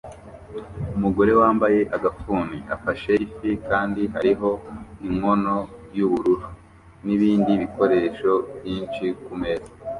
Umugore wambaye agafuni afashe ifi kandi hariho inkono yubururu nibindi bikoresho byinshi kumeza